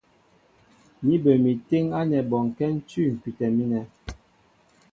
Ní bə mi téŋ ánɛ́ bɔnkɛ́ ń cʉ̂ ŋ̀kʉtɛ mínɛ.